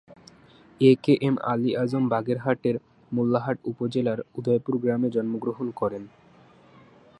কে M Ali Azam বাগেরহাটের মোল্লাহাট উপজেলার উদয়পুর গ্রামে জন্মগ্রহণ করেন।